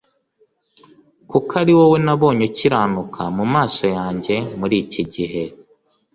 kuko ari wowe nabonye ukiranuka mu maso yanjye muri iki gihe."